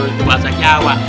itu bahasa jawa